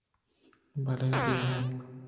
بلے بے نپ